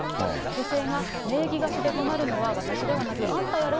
女性が名義貸しで困るのは、私ではなくあんたやろ？